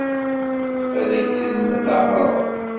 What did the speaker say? Ad k-ten-teɛṛeḍ?